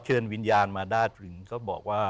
พอเชื่อนวิญญาณมาด้าธิรินิค